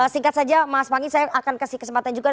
singkat saja mas panggi saya akan kasih kesempatan juga